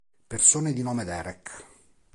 Persone di nome Derek